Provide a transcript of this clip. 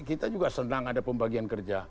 kita juga senang ada pembagian kerja